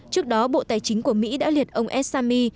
trước đó bộ tài chính của mỹ đã liệt ông al assami